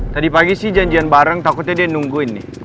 tadi pagi sih janjian bareng takutnya dia nungguin nih